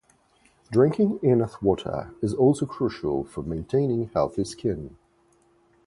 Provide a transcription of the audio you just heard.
Drinking enough water is also crucial for maintaining healthy skin.